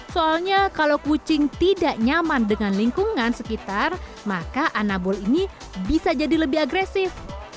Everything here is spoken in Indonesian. soalnya kalau kucing tidak nyaman dengan lingkungan sekitar maka anabol ini bisa jadi lebih agresif